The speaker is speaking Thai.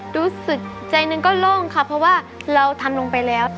รู้สึกใจหนึ่งก็โล่งค่ะเพราะว่าเราทำลงไปแล้ว